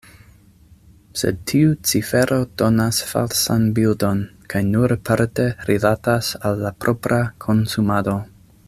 Sed tiu cifero donas falsan bildon kaj nur parte rilatas al la propra konsumado.